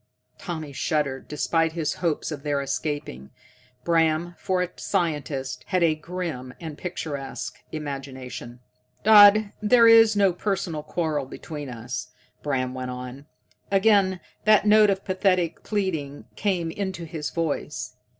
Tommy shuddered, despite his hopes of their escaping. Bram, for a scientist, had a grim and picturesque imagination. "Dodd, there is no personal quarrel between us," Bram went on. Again that note of pathetic pleading came into his voice.